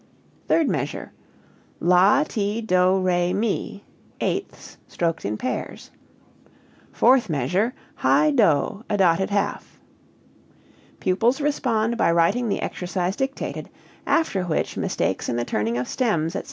Third measure, LA, TI, DO, RE, MI, eighths, stroked in pairs. Fourth measure, high DO a dotted half." Pupils respond by writing the exercise dictated, after which mistakes in the turning of stems, etc.